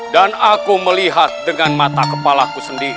dan aku melihat dengan mata kepala ku sendiri